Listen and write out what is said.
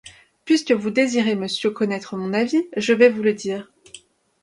Puisque vous désirez, messieurs, connaître mon avis, je vais vous le dire.